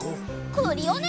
クリオネ！